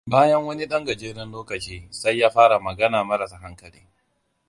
Bayan wani ɗan gajeren lokaci, sai ya fara magana marasa hankali.